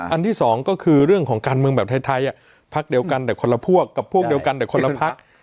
อันที่สองก็คือเรื่องของการเมืองแบบไทยพักเดียวกันแต่คนละพวกกับพวกเดียวกันแต่คนละพัก